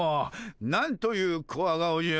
なんというコワ顔じゃ。